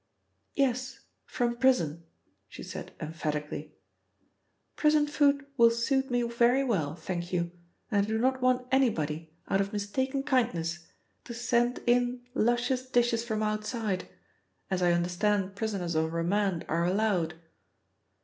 "Yes: from prison," she said emphatically. "Prison food will suit me very well, thank you, and I do not want anybody, out of mistaken kindness, to send in luscious dishes from outside, as I understand prisoners on remand are allowed."